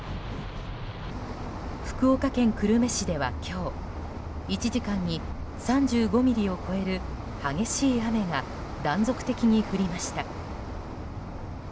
福岡県久留米市では今日１時間に３５ミリを超える激しい雨が断続的に降りました。